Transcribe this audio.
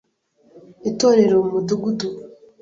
Itorero mu Mudugudu.